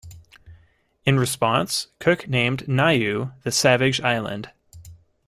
In response, Cook named Niue the "Savage Island".